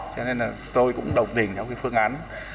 cho nên là tôi cũng đồng tình trong cái phương án một